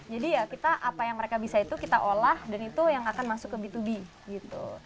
jadi ya kita apa yang mereka bisa itu kita olah dan itu yang akan masuk ke b dua b gitu